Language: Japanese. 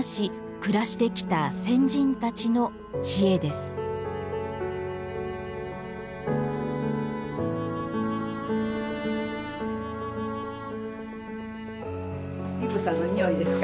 暮らしてきた先人たちの知恵ですい草のにおいですか？